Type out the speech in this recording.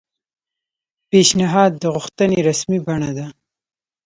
پیشنھاد د غوښتنې رسمي بڼه ده